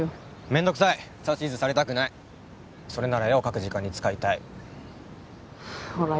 めんどくさい指図されたくないそれなら絵を描く時間に使いたいほら